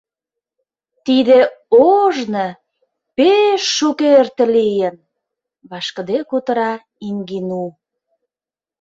— Тиде ожно пеш шукерте лийын... — вашкыде кутыра Ингину.